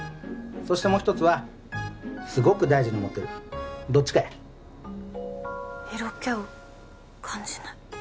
そしてもう一つはすごく大事に思ってるどっちかや色気を感じない